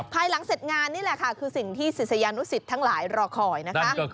ภายหลังเสร็จงานนี่แหละค่ะคือสิ่งที่ศิษยานุสิตทั้งหลายรอคอยนะคะ